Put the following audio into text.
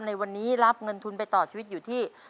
ในวันนี้รับเงินทุนไปต่อชีวิตอยู่ที่